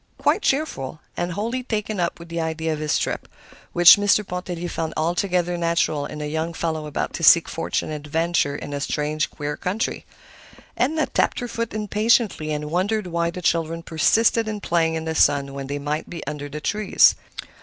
Quite cheerful, and wholly taken up with the idea of his trip, which Mr. Pontellier found altogether natural in a young fellow about to seek fortune and adventure in a strange, queer country. Edna tapped her foot impatiently, and wondered why the children persisted in playing in the sun when they might be under the trees.